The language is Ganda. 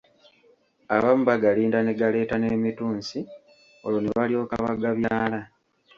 Abamu bagalinda ne galeeta n’emitunsi olwo ne balyoka bagabyala.